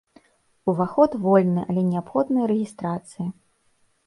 Уваход вольны, але неабходная рэгістрацыя.